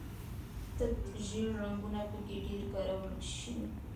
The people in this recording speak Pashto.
تت ژیړ رنګونه په کې ډېر کارول شوي.